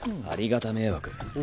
ありがた迷惑。